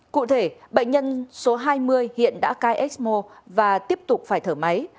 cụ thể bệnh nhân số hai mươi hiện đã cai ecmo và tiếp tục phải thở máy